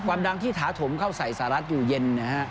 ดังที่ถาถมเข้าใส่สหรัฐอยู่เย็นนะฮะ